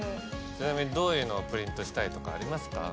ちなみにどういうのをプリントしたいとかありますか？